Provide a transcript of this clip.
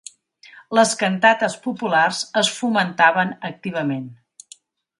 Les cantates populars es fomentaven activament.